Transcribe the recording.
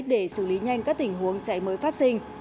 để xử lý nhanh các tình huống cháy mới phát sinh